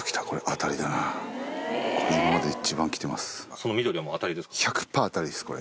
その緑はもうあたりですか？